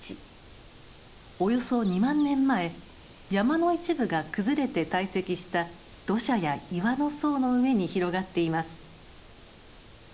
およそ２万年前山の一部が崩れて堆積した土砂や岩の層の上に広がっています。